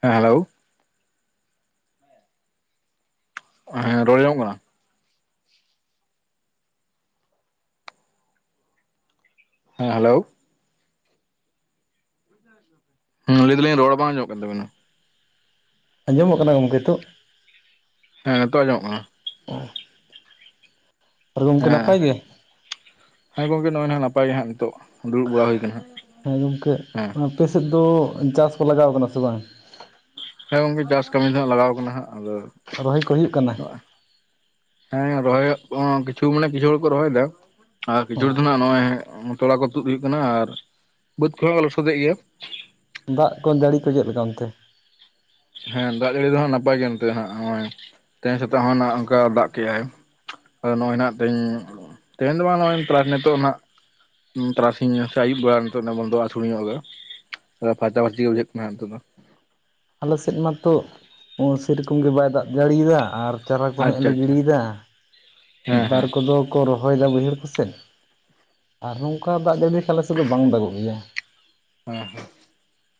ᱦᱮᱸ ᱦᱮᱞᱳ ᱦᱮᱸ ᱨᱚᱲ ᱟᱸᱡᱚᱝ ᱢᱚᱜ ᱠᱟᱱᱟ? ᱦᱮᱸ ᱦᱮᱞᱳ [unintelligible] ᱦᱩᱸ ᱞᱟᱹᱭ ᱫᱟᱞᱤᱧ ᱨᱚᱲ ᱵᱟᱝ ᱟᱸᱡᱚᱢᱚᱜ ᱠᱟᱱ ᱛᱟᱵᱤᱱᱟ? ᱟᱸᱡᱚᱢᱚᱜ ᱠᱟᱱᱟ ᱜᱚᱝᱠᱮ ᱛᱳᱜ? ᱦᱮᱸ ᱱᱤᱛᱚᱜ ᱟᱸᱡᱚᱢᱚᱜ ᱠᱟᱱᱟ᱾ ᱚ ᱟᱨ ᱜᱚᱢᱠᱮ ᱦᱮᱸ ᱱᱟᱯᱟᱭ ᱜᱮ? ᱦᱮᱸ ᱜᱚᱝᱠᱮ ᱱᱚᱜᱼᱚᱭ ᱱᱟᱦᱟᱜ ᱱᱟᱯᱟᱭ ᱜᱮ ᱦᱟᱸᱜ ᱱᱤᱛᱚᱜ, ᱫᱩᱲᱩᱵ ᱵᱟᱲᱟ ᱦᱩᱭ ᱠᱟᱱᱟ ᱦᱟᱸᱜ ᱦᱮᱸ ᱟᱯᱮᱥᱮᱫ ᱫᱚ ᱪᱟᱥᱠᱚ ᱞᱟᱜᱟᱣ ᱠᱟᱱᱟ ᱥᱮ ᱵᱟᱝ? ᱦᱮᱸ ᱜᱚᱝᱠᱮ ᱪᱟᱥ ᱠᱟᱹᱢᱤ ᱫᱚᱦᱟᱸᱜ ᱞᱟᱜᱟᱣ ᱠᱟᱱᱟ ᱦᱟᱸᱜ ᱟᱫᱚ ᱨᱚᱦᱚᱭ ᱠᱚ ᱦᱩᱭᱩᱜ? ᱦᱮᱸ ᱨᱚᱦᱚᱭᱚᱜ ᱠᱚ ᱠᱤᱪᱷᱩ ᱢᱟᱱᱮ ᱠᱤᱪᱷᱩ ᱦᱚᱲ ᱠᱚ ᱨᱚᱦᱚᱭ ᱫᱟ ᱟᱨ ᱠᱤᱪᱷᱩ ᱦᱚᱲ ᱫᱚ ᱱᱟᱜ ᱱᱚᱜᱼᱚᱭ ᱛᱚᱞᱟ ᱠᱚ ᱛᱩᱫ ᱦᱩᱭᱩᱜ ᱠᱟᱱᱟ ᱟᱨ ᱵᱟᱹᱫᱽ ᱠᱚᱦᱚᱸ ᱞᱚᱥᱚᱫᱮᱜ ᱜᱮᱭᱟ ᱫᱟᱜ ᱠᱚ ᱡᱟᱲᱤ ᱠᱚ ᱪᱮᱫ ᱞᱮᱠᱟ ᱚᱱᱛᱮ? ᱦᱮᱸ ᱫᱟᱜ ᱡᱟᱲᱤ ᱫᱚ ᱦᱟᱜ ᱱᱟᱯᱟᱭ ᱜᱮᱭᱟ ᱱᱚᱛᱮ ᱫᱚ ᱦᱟᱜ ᱦᱚᱜᱼᱚᱭ ᱛᱮᱦᱮᱧ ᱥᱮᱛᱟᱜ ᱦᱚᱸ ᱱᱟᱜ ᱚᱱᱠᱟ ᱫᱟᱜ ᱠᱮᱜᱟᱭ᱾ ᱟᱫᱚ ᱱᱚᱜᱼᱚᱭ ᱱᱟᱜ ᱛᱮᱦᱮᱧ ᱛᱮᱦᱮᱧ ᱫᱚ ᱵᱟᱝ ᱱᱚᱜᱼᱚᱭ ᱯᱨᱟ ᱱᱤᱛᱚᱜ ᱱᱟᱸᱜ ᱩᱸ ᱛᱟᱨᱟᱥᱤᱧ ᱥᱮ ᱟᱹᱩᱵ ᱵᱮᱲᱟ ᱱᱤᱛᱚᱜ ᱱᱟ ᱵᱚᱱᱫᱚᱼᱟ ᱟᱥᱩᱲ ᱧᱚᱜᱟᱭ᱾ ᱯᱷᱟᱨᱪᱟ ᱯᱷᱟᱨᱪᱤ ᱜᱮ ᱵᱩᱡᱷᱟᱹᱜ ᱠᱟᱱᱟ ᱱᱤᱛᱳᱜ ᱫᱚ᱾ ᱟᱞᱮᱥᱮᱫ ᱢᱟᱛᱚ ᱩᱸ ᱥᱮᱨᱚᱠᱚᱢ ᱜᱮ ᱵᱟᱭ ᱫᱟᱜ ᱡᱟᱹᱲᱤᱭᱮᱫᱟ ᱟᱨ ᱪᱟᱨᱟ ᱠᱚ ᱦᱚᱸ ᱦᱮᱜ ᱟᱪᱪᱷᱟ ᱞᱮ ᱟᱪᱪᱷᱟ ᱜᱤᱲᱤᱭᱫᱟ, ᱢᱤᱫ ᱦᱮᱸ ᱵᱟᱨ ᱦᱮᱸ ᱠᱚᱫᱚ ᱠᱚ ᱨᱚᱦᱚᱭᱫᱟ ᱵᱟᱹᱭᱦᱟᱹᱲ ᱠᱚᱥᱮᱫ ᱟᱨ ᱱᱚᱝᱠᱟ ᱫᱟᱜ ᱡᱟᱹᱲᱤ ᱞᱮᱠᱷᱟ ᱟᱞᱮ ᱥᱮᱫ ᱫᱚ ᱵᱟᱝ ᱫᱟᱜᱚᱜ ᱜᱮᱭᱟ᱾ ᱦᱮᱸ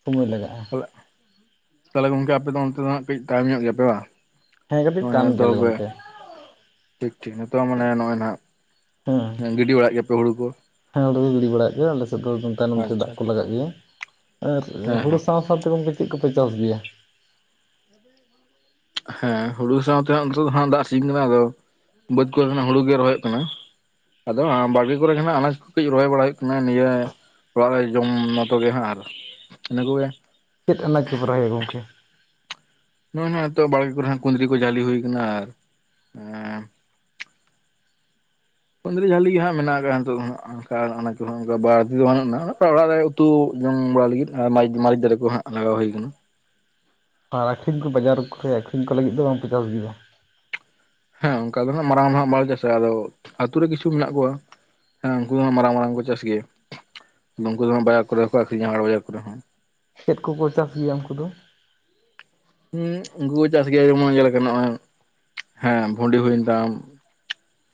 ᱥᱚᱢᱚᱭ ᱞᱟᱜᱟᱜᱼᱟ ᱦᱚᱞᱮᱜ ᱛᱟᱦᱚᱞᱮ ᱜᱚᱢᱠᱮ ᱟᱯᱮ ᱚᱱᱛᱮ ᱫᱚ ᱱᱟᱜ ᱠᱟᱹᱡ ᱛᱟᱭᱚᱢ ᱧᱚᱜ ᱜᱮᱭᱟ ᱯᱮ ᱵᱟᱝ? ᱦᱮᱸ ᱠᱟᱹᱴᱤᱡ ᱴᱟᱱ ᱱᱚᱜᱼᱚᱭ ᱜᱮᱭᱟᱞᱮ ᱛᱚᱵᱮ ᱜᱚᱢᱠᱮ ᱾ ᱴᱷᱤᱠ ᱴᱷᱤᱠ ᱱᱤᱛᱚᱜ ᱢᱟᱱᱮ ᱱᱚᱜᱼᱚᱭ ᱦᱮᱸ᱾ ᱱᱟᱦᱟᱸᱜ ᱜᱤᱰᱤ ᱵᱟᱲᱟᱭᱮᱫ ᱜᱮᱭᱟ ᱯᱮ ᱦᱩᱲᱩ ᱠᱚ ᱦᱮᱸ ᱦᱩᱲᱩ ᱠᱚ ᱜᱤᱰᱤ ᱵᱟᱲᱮᱭᱫ ᱜᱮᱭᱟ ᱟᱞᱮ ᱥᱮᱫ ᱫᱚ ᱛᱟᱭᱱᱚᱢᱛᱮ ᱟᱪᱪᱷᱟ ᱫᱟᱜ ᱠᱚ ᱟᱪᱪᱷᱟ ᱞᱟᱜᱟᱜ ᱜᱮᱭᱟ, ᱟᱨ ᱦᱮᱸ ᱦᱮᱸ ᱦᱩᱲᱳ ᱥᱟᱶ ᱚᱱᱛᱮ ᱛᱮ ᱜᱚᱢᱠᱮ ᱪᱮᱫ ᱠᱚᱯᱮ ᱪᱟᱥ ᱜᱮᱭᱟ? ᱦᱮᱸ ᱦᱩᱲᱩ ᱥᱟᱶᱛᱮ ᱦᱟᱸᱜ ᱱᱤᱛ ᱫᱚ ᱦᱟᱸᱜ ᱫᱟᱜ ᱥᱤᱱ ᱠᱟᱱᱟ ᱛᱚ, ᱵᱟᱹᱫᱽ ᱠᱚᱨᱮ ᱦᱟᱸᱜ ᱦᱩᱲᱩ ᱜᱮ ᱨᱚᱦᱚᱭᱚᱜ ᱠᱟᱱᱟ᱾ ᱟᱫᱚ ᱵᱟᱲᱜᱮ ᱠᱚᱨᱮ ᱡᱟᱦᱟ ᱱᱟᱜ ᱟᱱᱟᱡ ᱠᱚ ᱠᱟᱹᱡ ᱨᱚᱦᱚᱭ ᱵᱟᱲᱟ ᱦᱩᱭᱩᱜ ᱠᱟᱱᱟ ᱱᱤᱭᱟᱹ ᱚᱲᱟᱜ ᱨᱮ ᱡᱚᱢ ᱢᱚᱛᱚᱜᱮ ᱦᱟᱸᱜ, ᱟᱨ ᱤᱱᱟᱹ ᱠᱚᱜᱮ ᱪᱮᱫ ᱟᱱᱟᱡ ᱠᱚᱯᱮ ᱨᱚᱦᱚᱭᱟ ᱜᱚᱝᱠᱮ? ᱱᱚᱜᱼᱚᱭ ᱱᱚᱭ ᱱᱤᱛᱚᱜ ᱵᱟᱲᱜᱮ ᱠᱚᱨᱮ ᱠᱩᱸᱫᱽᱨᱤ ᱠᱚ ᱡᱷᱟᱹᱞᱤ ᱦᱩᱭᱠᱟᱱᱟ ᱟᱨ ᱮᱸ ᱠᱩᱫᱽᱨᱤ ᱡᱟᱹᱞᱤ ᱜᱮ ᱦᱟᱸᱜ ᱢᱮᱱᱟᱜ ᱠᱟᱜᱼᱟ ᱱᱤᱛᱚᱜ ᱫᱚ ᱦᱟᱸᱜ ᱾ ᱚᱝᱠᱟ ᱚᱱᱟ ᱠᱚᱦᱚᱸ ᱚᱱᱠᱟ ᱵᱟᱹᱲᱛᱤ ᱫᱚ ᱵᱟᱹᱱᱩᱜᱼᱟ ᱚᱲᱟᱜ ᱨᱮ ᱩᱛᱩ ᱡᱚᱢ ᱵᱟᱲᱟ ᱞᱟᱹᱜᱤᱫ ᱢᱟᱹᱨᱤᱪ ᱢᱟᱹᱨᱤᱪ ᱫᱟᱨᱮ ᱠᱚ ᱦᱟᱸᱜ ᱞᱟᱜᱟᱣ ᱦᱩᱭ ᱠᱟᱱᱟ᱾ ᱟᱨ ᱟᱠᱷᱨᱤᱧ ᱠᱚ ᱵᱟᱡᱟᱨ ᱠᱚᱨᱮ ᱟᱠᱷᱨᱤᱧ ᱠᱚ ᱞᱟᱹᱜᱤᱫ ᱫᱚ ᱵᱟᱝ ᱯᱮ ᱪᱟᱥ ᱜᱮᱭᱟ? ᱦᱮᱸ ᱚᱱᱠᱟ ᱫᱚ ᱦᱟᱸᱜ ᱢᱟᱨᱟᱝ ᱱᱟᱦᱟᱸᱜ ᱵᱟᱞᱮ ᱪᱟᱥ ᱟᱫᱚ ᱟᱛᱩ ᱨᱮ ᱠᱤᱪᱷᱩ ᱢᱮᱱᱟᱜ ᱠᱚᱣᱟ ᱦᱮᱸ ᱩᱱᱠᱩ ᱫᱚ ᱢᱟᱨᱟᱝ ᱢᱟᱨᱟᱝ ᱠᱚ ᱪᱟᱥ ᱜᱮᱭᱟ, ᱩᱱᱠᱩ ᱫᱚ ᱵᱟᱡᱟᱨ ᱠᱚᱨᱮ ᱦᱚᱸᱠᱚ ᱟᱠᱷᱨᱤᱧᱟ ᱦᱟᱴ ᱵᱟᱡᱟᱨ ᱠᱚᱨᱮ ᱦᱚᱸ ᱾ ᱪᱮᱫ ᱠᱚᱠᱚ ᱪᱟᱥ ᱜᱮᱭᱟ ᱩᱱᱠᱩ ᱫᱚ? ᱦᱩᱸ ᱩᱱᱠᱩ ᱠᱚ ᱪᱟᱥ ᱜᱮᱭᱟ ᱡᱮᱢᱚᱱ ᱡᱮᱞᱮᱠᱟ ᱱᱚᱜᱼᱚᱭ ᱦᱮᱸ ᱵᱷᱩᱰᱤ ᱦᱩᱭᱮᱱ ᱛᱟᱢ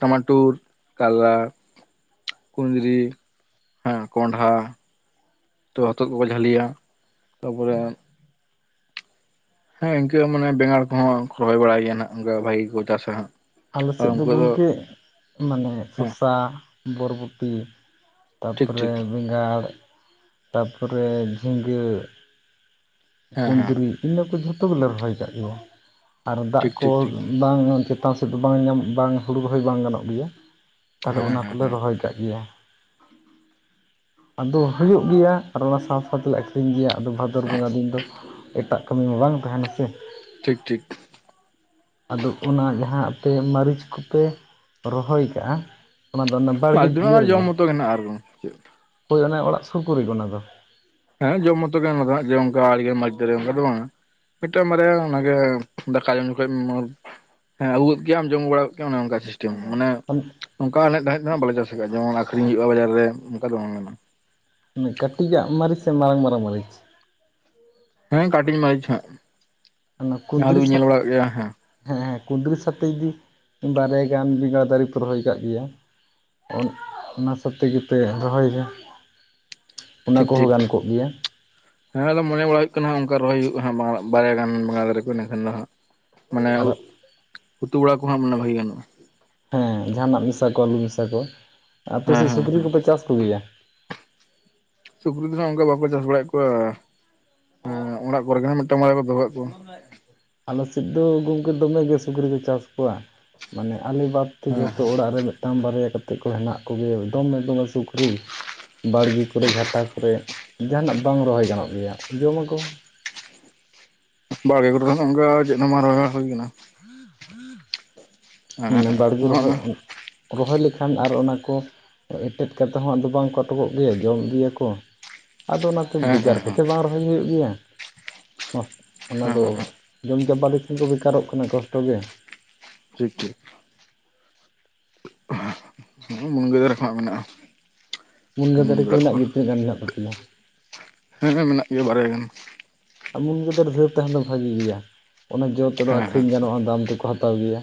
ᱴᱟᱢᱟᱴᱳᱩᱨ, ᱠᱟᱞᱞᱟ ᱠᱩᱸᱫᱽᱨᱤ, ᱦᱮᱸ ᱠᱚᱸᱰᱷᱟ ᱛᱚ ᱦᱚᱛᱚᱫ ᱠᱚᱠᱚ ᱡᱷᱟᱹᱞᱤᱭᱟ ᱛᱟᱯᱚᱨᱮ ᱦᱮᱸ ᱤᱱᱠᱟᱹ ᱢᱟᱱᱮ ᱵᱮᱸᱜᱟᱲ ᱠᱚᱦᱚᱸ ᱨᱚᱦᱚᱭ ᱵᱟᱲᱟᱭ ᱜᱮᱭᱟ ᱱᱟᱸᱜ ᱵᱷᱟᱜᱤ ᱜᱮᱠᱚ ᱪᱟᱥᱟ ᱦᱟᱸᱜ᱾ ᱟᱞᱮ ᱟᱨ ᱥᱮᱫ ᱫᱚ ᱩᱱᱠᱩ ᱜᱚᱢᱠᱮ ᱢᱟᱱᱮ ᱦᱮᱸ ᱥᱚᱥᱟ, ᱵᱚᱨᱵᱚᱴᱤ ᱴᱷᱤᱠ ᱛᱟᱯᱚᱨᱮ ᱴᱷᱤᱠ ᱵᱮᱸᱜᱟᱲ ᱛᱟᱯᱚᱨᱮ ᱡᱷᱤᱸᱜᱟᱹ ᱦᱮᱸ ᱦᱮᱸ ᱠᱩᱸᱫᱽᱨᱤ ᱤᱱᱟᱹ ᱠᱚ ᱡᱷᱚᱛᱚ ᱜᱮᱞᱮ ᱨᱚᱦᱚᱭ ᱠᱟᱜ ᱜᱮᱭᱟ, ᱟᱨ ᱫᱟᱜ ᱴᱷᱤᱠ ᱠᱚ ᱴᱷᱤᱠ ᱴᱷᱤᱠ ᱵᱟᱝ ᱪᱮᱛᱟᱱ ᱥᱮᱫ ᱫᱚ ᱵᱟᱝ ᱧᱟᱢᱚᱜ ᱵᱟᱝ ᱦᱩᱲᱩ ᱨᱚᱦᱚᱭ ᱵᱟᱝ ᱜᱟᱱᱚᱜ ᱜᱮᱭᱟ᱾ ᱛᱟᱦᱚᱞᱮ ᱦᱮᱸ ᱚᱱᱟ ᱦᱮᱸ ᱠᱚᱞᱮ ᱦᱮᱸ ᱨᱚᱦᱚᱭ ᱠᱟᱜ ᱜᱮᱭᱟ᱾ ᱟᱫᱚ ᱦᱩᱭᱩᱜ ᱜᱮᱭᱟ ᱟᱨ ᱚᱱᱟ ᱥᱟᱶ ᱥᱟᱶᱛᱮᱞᱮ ᱟᱠᱷᱨᱤᱧ ᱜᱮᱭᱟ, ᱟᱫᱚ ᱵᱷᱟᱫᱚᱨ ᱵᱚᱸᱜᱟ ᱫᱤᱱ ᱾ ᱫᱚ ᱮᱴᱟᱜ ᱠᱟᱹᱢᱤ ᱢᱟ ᱵᱟᱝ ᱛᱟᱦᱮᱱᱟ ᱥᱮ ᱾ ᱴᱷᱤᱠ ᱴᱷᱤᱠ ᱾ ᱟᱫᱚ ᱚᱱᱟ ᱡᱟᱦᱟᱸ ᱟᱯᱮ ᱢᱟᱹᱨᱤᱪ ᱠᱚᱯᱮ ᱨᱚᱦᱚᱭ ᱠᱟᱜᱼᱟ ᱚᱱᱟ ᱫᱚ ᱚᱱᱮ ᱵᱟᱲᱜᱮ ᱟᱞᱮ ᱫᱚ ᱤᱭᱟᱹ ᱦᱟᱸᱜ ᱡᱚᱢ ᱨᱮᱜᱮ ᱢᱚᱛᱚ ᱜᱮ ᱱᱟᱜ ᱟᱨ ᱪᱮᱫ ᱦᱳᱭ ᱚᱱᱮ ᱚᱲᱟᱜ ᱥᱩᱨ ᱠᱚ ᱨᱮᱜᱮ ᱚᱱᱟ ᱫᱚ᱾ ᱦᱮᱸ ᱡᱚᱢ ᱢᱚᱛᱚ ᱜᱮ [inaudible] ᱚᱱᱠᱟ ᱫᱚ ᱵᱟᱝᱼᱟ ᱢᱤᱫᱴᱟᱝ ᱵᱟᱨᱭᱟ ᱚᱱᱟᱜᱮ ᱫᱟᱠᱟ ᱡᱚᱢ ᱡᱚᱠᱷᱚᱡ ᱦᱮᱸ ᱟᱹᱜᱩ ᱜᱚᱫᱠᱮ ᱟᱢ ᱡᱚᱢ ᱵᱟᱲᱟ ᱠᱮᱟᱢ ᱚᱱᱮ ᱚᱱᱠᱟ ᱥᱤᱥᱴᱮᱢ, ᱟᱱᱮ [unintelligible] ᱱᱚᱝᱠᱟ ᱟᱱᱮᱡ ᱫᱷᱟᱱᱮᱡ ᱫᱚ ᱦᱟᱸᱜ ᱵᱟᱞᱮ ᱪᱟᱥ ᱟᱠᱟᱫᱼᱟ, ᱡᱮᱚᱱ ᱟᱠᱷᱨᱤᱧ ᱦᱩᱭᱩᱜᱼᱟ ᱵᱟᱡᱟᱨ ᱨᱮ ᱚᱱᱠᱟ ᱫᱚ ᱵᱟᱝ ᱠᱟᱱᱟ᱾ ᱠᱟᱹᱴᱤᱡᱟᱜ ᱢᱟᱹᱨᱤᱪ ᱥᱮ ᱢᱟᱨᱟᱝ ᱢᱟᱨᱟᱝ ᱢᱟᱹᱨᱤᱪ? ᱦᱮᱸ ᱠᱟᱴᱤᱡ ᱢᱟᱹᱨᱤᱪ ᱦᱟᱸᱜ ᱾ ᱚᱱᱟ ᱠᱩᱸᱫᱽᱨᱤ ᱥᱟ ᱦᱮᱸ ᱦᱮᱸ ᱦᱮᱸ ᱠᱩᱸᱫᱽᱨᱤ ᱥᱟᱛᱮ ᱡᱩᱫᱤ ᱵᱟᱨᱭᱟ ᱜᱟᱱ ᱵᱮᱸᱜᱟᱲ ᱫᱟᱨᱮ ᱯᱮ ᱨᱚᱦᱚᱭ ᱟᱠᱟᱜ ᱜᱮᱭᱟ ᱾ ᱚᱱᱟ ᱥᱚᱛᱮ ᱜᱮᱯᱮ ᱨᱚᱦᱚᱭᱟ ᱚᱱᱟ ᱴᱷᱤᱠ ᱴᱷᱤᱠ ᱠᱚᱦᱚᱸ ᱜᱟᱱ ᱠᱚᱜ ᱜᱮᱭᱟ᱾ ᱦᱮᱸ ᱟᱫᱚᱢ ᱢᱚᱱᱮ ᱵᱟᱲᱟ ᱦᱩᱭᱩᱜ ᱠᱟᱱᱟ ᱚᱱᱠᱟ ᱨᱚᱦᱚᱭ ᱦᱩᱭᱩᱜᱼᱟ ᱵᱟᱨᱭᱟ ᱜᱟᱱ ᱵᱮᱸᱜᱟᱲ ᱫᱟᱨᱮ ᱠᱚ ᱮᱱᱟᱠᱷᱟᱱ ᱫᱚ ᱦᱟᱸᱜ ᱢᱟᱱᱮ ᱟᱨ ᱩᱛᱩ ᱵᱟᱲᱟ ᱠᱚᱦᱚᱸ ᱢᱟᱱᱮ ᱵᱷᱟᱹᱜᱤ ᱜᱟᱱᱚᱜᱼᱟ ᱾ ᱦᱮᱸ ᱡᱟᱦᱟᱱᱟᱜ ᱢᱮᱥᱟ ᱠᱚ ᱟᱹᱞᱩ ᱢᱮᱥᱟ ᱠᱚ, ᱦᱮᱸ ᱟᱯᱮᱥᱮᱡ ᱦᱮᱸ ᱥᱩᱠᱨᱤ ᱦᱮᱸ ᱠᱚᱯᱮ ᱪᱟᱥ ᱠᱚᱜᱮᱭᱟ? ᱥᱩᱠᱨᱤ ᱫᱚᱦᱟᱸᱜ ᱚᱱᱠᱟ ᱵᱟᱠᱚ ᱪᱟᱥ ᱵᱟᱲᱟᱭᱮᱜ ᱠᱚᱣᱟ ᱮᱸ ᱚᱲᱟᱜ ᱠᱚᱨᱮ ᱜᱮᱸᱦᱟᱜ ᱢᱤᱫᱴᱟᱝ ᱵᱟᱨᱭᱟ ᱠᱚ ᱫᱚᱦᱚᱭᱮᱜ ᱠᱚᱣᱟ ᱾ [unintelligible] ᱟᱞᱮ ᱥᱮᱡ ᱫᱚ ᱜᱚᱝᱠᱮ ᱫᱚᱢᱮᱜᱮ ᱥᱩᱠᱨᱤ ᱠᱮ ᱪᱟᱥ ᱠᱚᱣᱟ ᱢᱟᱱᱮ ᱟᱞᱮ ᱵᱟᱫᱽ ᱛᱚ ᱦᱮᱸ ᱡᱚᱛᱚ ᱚᱲᱟᱜ ᱨᱮ ᱢᱤᱫᱴᱟᱝ ᱵᱟᱨᱭᱟ ᱠᱟᱛᱮᱜ ᱠᱚ ᱦᱮᱱᱟᱜ ᱠᱚᱜᱮ ᱫᱚᱢᱮ ᱫᱚᱢᱮ ᱥᱩᱠᱨᱤ ᱾ ᱵᱟᱲᱜᱮ ᱠᱚᱨᱮ ᱡᱷᱟᱴᱟ ᱠᱚᱨᱮ ᱡᱟᱦᱟᱱᱟᱜ ᱵᱟᱝ ᱨᱚᱦᱚᱭ ᱜᱟᱱᱚᱜ ᱜᱮᱭᱟ ᱡᱚᱢᱟᱠᱚ ᱾ ᱵᱟᱲᱜᱮ ᱠᱚᱨᱮ ᱚᱱᱮ ᱚᱱᱠᱟ ᱪᱮᱫ ᱦᱚ ᱵᱟᱝ ᱨᱚᱦᱚᱭ ᱵᱟᱲᱟ ᱦᱩᱭ ᱠᱟᱱᱟ ᱾ ᱦᱮᱸ ᱦᱮᱸ ᱢᱟᱱᱮ ᱵᱟᱲᱜᱮ ᱨᱚᱦᱚᱭ ᱨᱚᱦᱚᱭ ᱞᱮᱠᱷᱟᱱ ᱟᱨ ᱚᱱᱟ ᱠᱚ ᱮᱴᱮᱫ ᱠᱟᱛᱮ ᱦᱚᱸ ᱟᱫᱚ ᱵᱟᱝᱠᱚ ᱟᱴᱚᱠᱚᱜ ᱜᱮᱭᱟ ᱡᱚᱢ ᱤᱫᱤᱭᱟᱠᱚ ᱾ ᱟᱫᱚ ᱚᱱᱟᱛᱮ ᱦᱮᱸ ᱵᱮᱡᱟᱨ ᱠᱚᱛᱮ ᱦᱮᱸ ᱵᱟᱝ ᱨᱚᱦᱚᱭ ᱦᱩᱭᱩᱜ ᱜᱮᱭᱟ ᱚᱸᱥ ᱚᱱᱟ ᱫᱚ ᱦᱮᱸ ᱦᱮᱸ ᱡᱚᱢ ᱪᱟᱵᱟ ᱞᱮᱠᱷᱟᱱ ᱠᱚ ᱵᱮᱠᱟᱨᱚᱜ ᱠᱟᱱᱟ ᱠᱚᱥᱴᱚ ᱜᱮ᱾ ᱴᱷᱤᱠ ᱴᱷᱤᱠ ᱾ ᱟᱸᱦᱼᱦᱟᱸ ᱢᱩᱱᱜᱟᱹ ᱫᱟᱨᱮ ᱠᱚᱦᱟᱸᱜ ᱢᱮᱱᱟᱜᱼᱟ ᱾ ᱢᱩᱱᱜᱟᱹ ᱫᱟᱨᱮ ᱠᱚ ᱢᱮᱱᱟᱜ ᱜᱮ ᱛᱤᱱᱟᱹᱜ ᱜᱟᱱ ᱢᱮᱱᱟᱜ ᱛᱟᱯᱮᱭᱟ? ᱦᱮᱸ ᱦᱮᱸ ᱢᱮᱱᱟᱜ ᱜᱮᱭᱟ ᱵᱟᱨᱭᱟ ᱜᱟᱱ ᱾ ᱟ ᱢᱩᱱᱜᱟᱹ ᱫᱟᱨᱮ ᱫᱚ ᱛᱟᱦᱮᱱ ᱫᱚ ᱵᱷᱟᱜᱤ ᱜᱮᱭᱟ, ᱚᱱᱟ ᱡᱚ ᱛᱮᱫᱚ ᱦᱮᱸ ᱟᱹᱠᱷᱨᱤᱧ ᱜᱟᱱᱚᱜᱼᱟ ᱫᱟᱢ ᱛᱮᱠᱚ ᱦᱟᱛᱟᱣ ᱜᱮᱭᱟ,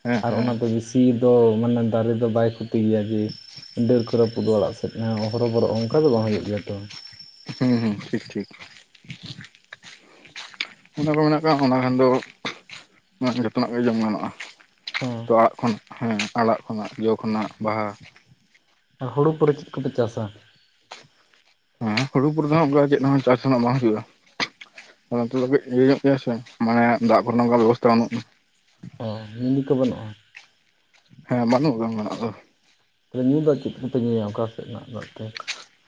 ᱦᱮᱸ ᱦᱮᱸ ᱟᱨ ᱦᱮᱸ ᱚᱱᱟᱛᱮ ᱵᱤᱥ ᱾ ᱛᱤ ᱫᱚ ᱢᱟᱱᱮ ᱫᱟᱨᱮ ᱫᱚ ᱵᱟᱭ ᱠᱷᱚᱛᱤ ᱜᱮᱭᱟ ᱡᱮ ᱰᱟᱹᱨ ᱠᱚ ᱨᱟᱹᱯᱩᱫᱚᱜᱼᱟ ᱚᱲᱟᱜ ᱥᱮᱫ ᱚᱱᱮ ᱦᱚᱨᱚᱵᱚᱨᱚ ᱚᱱᱠᱟ ᱫᱚ ᱵᱟᱝ ᱦᱩᱭᱩᱜ ᱜᱮᱭᱟ ᱛᱚ ᱾ ᱦᱩᱸ ᱦᱩᱸ ᱴᱷᱤᱠ ᱴᱷᱤᱠ ᱾ ᱦᱚᱸᱜᱼᱚ ᱱᱟ ᱠᱚ ᱢᱮᱱᱟᱜ ᱠᱟᱜ ᱚᱱᱟ ᱠᱷᱟᱱ ᱫᱚ ᱡᱚᱛᱚᱱᱟᱜ ᱜᱮ ᱡᱚᱢ ᱜᱟᱱᱚᱜᱼᱟ ᱾ ᱦᱮᱸ ᱛᱚ ᱟᱲᱟᱜ ᱠᱷᱚᱱ ᱦᱮᱸ ᱟᱲᱟᱜ ᱠᱷᱚᱱᱟᱜ ᱡᱚ ᱠᱷᱚᱱᱟᱜ ᱵᱟᱦᱟ᱾ ᱟᱨ ᱦᱩᱲᱩ ᱯᱚᱨᱮ ᱪᱤᱫ ᱠᱚᱯᱮ ᱪᱟᱥᱟ? ᱦᱮᱸ ᱦᱩᱲᱩ ᱠᱚᱨᱮ ᱫᱚᱦᱟᱸᱜ ᱚᱱᱠᱟ ᱪᱮᱫ ᱦᱚᱸ ᱪᱟᱥ ᱫᱚᱱᱟᱜ ᱵᱟᱝ ᱦᱩᱭᱩᱜᱼᱟ ᱾ ᱚᱱᱟ ᱛᱮ ᱫᱷᱟᱵᱤᱡ ᱤᱭᱟᱹ ᱧᱚᱜ ᱜᱮᱭᱟ ᱥᱮ ᱢᱟᱱᱮ ᱫᱟᱜ ᱠᱚᱨᱮᱱᱟᱜ ᱚᱱᱠᱟ ᱵᱮᱵᱚᱥᱛᱷᱟ ᱵᱟᱹᱱᱩᱜ ᱚ ᱢᱤᱱᱤ ᱠᱚ ᱵᱟᱹᱱᱩᱜᱼᱟ? ᱦᱮᱸ ᱵᱟᱹᱱᱩᱜ ᱠᱟᱜ ᱚᱱᱠᱟᱱᱟᱜ ᱫᱚ ᱾ ᱛᱟᱦᱞᱮ ᱧᱩ ᱫᱟᱜ ᱪᱮᱫ ᱠᱚᱯᱮ ᱧᱩᱭᱟ ᱚᱠᱟᱥᱮᱫ ᱨᱮᱱᱟᱜ ᱫᱟᱜ ᱛᱮ?